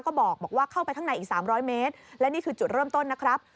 ก็บอกบอกว่าเข้าไปทั้งในอีกสามร้อยเมตรและนี่คือจุดเริ่มต้นนะครับ